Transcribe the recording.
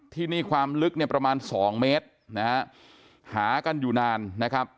ที่นี่ความลึกเนี่ยประมาณสองเมตรนะฮะหากันอยู่นานนะครับ